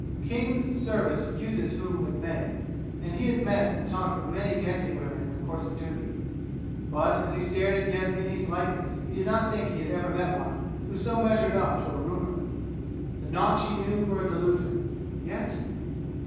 King's service uses whom it may, and he had met and talked with many dancing women in the course of duty; but as he stared at Yasmini's likeness he did not think he had ever met one who so measured up to rumor. The nautch he knew for a delusion. Yet